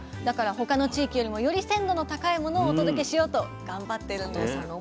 だから他の地域よりもより鮮度の高いものをお届けしようと頑張ってるんです。